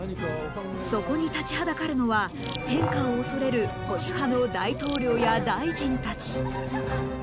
そこに立ちはだかるのは変化を恐れる保守派の大統領や大臣たち。